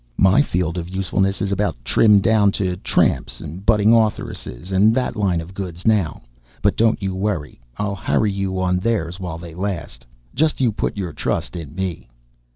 My field of usefulness is about trimmed down to tramps, budding authoresses, and that line of goods now; but don't you worry I'll harry you on theirs while they last! Just you put your trust in me."